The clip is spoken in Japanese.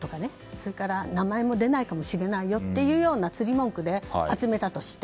それから、名前も出ないかもしれないよというような釣り文句で集めたとして。